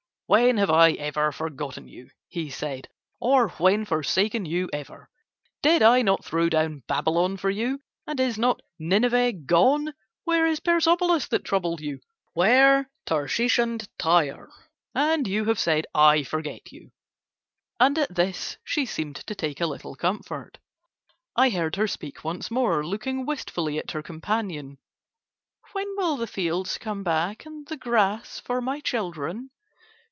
"When have I ever forgotten you?" he said, "or when forsaken you ever? Did I not throw down Babylon for you? And is not Nineveh gone? Where is Persepolis that troubled you? Where Tarshish and Tyre? And you have said I forget you." And at this she seemed to take a little comfort. I heard her speak once more, looking wistfully at her companion. "When will the fields come back and the grass for my children?"